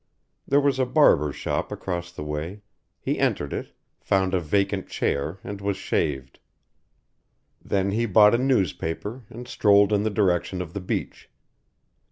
There was a barber's shop across the way, he entered it, found a vacant chair and was shaved. Then he bought a newspaper and strolled in the direction of the beach.